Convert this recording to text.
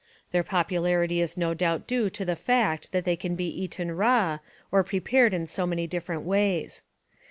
Their popularity is no doubt due to the fact that they can be eaten raw, or prepared in so many different ways.